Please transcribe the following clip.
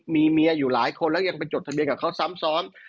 มีเมียอยู่หลายคนแล้วยังไปจดทะเบียนกับเขาซ้ำซ้อน